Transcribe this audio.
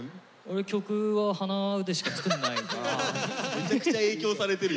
めちゃくちゃ影響されてる。